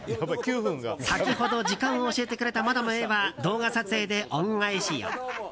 先ほど時間を教えてくれたマダムへは、動画撮影で恩返しを。